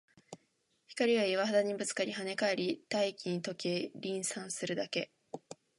光は岩肌にぶつかり、跳ね返り、大気に溶け、霧散するだけ